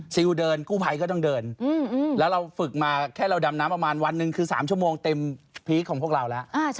เดินกู้ภัยก็ต้องเดินแล้วเราฝึกมาแค่เราดำน้ำประมาณวันหนึ่งคือ๓ชั่วโมงเต็มพีคของพวกเราแล้ว